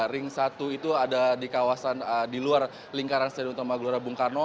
ring satu itu ada di kawasan di luar lingkaran stadion utama gorabungkan